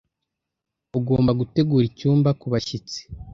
Ugomba gutegura icyumba kubashyitsi.